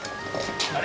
あれ？